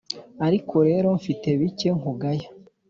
Ariko rero mfite bike nkugaya,